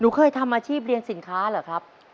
เคยทำอาชีพเรียนสินค้าเหรอครับ